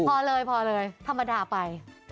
พอเลยพอเลยทมฏอไป